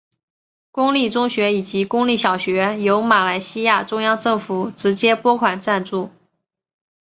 公立中学以及公立小学由马来西亚中央政府直接拨款赞助。